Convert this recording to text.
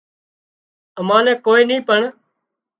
امان نين ڪوئي نِي پڻ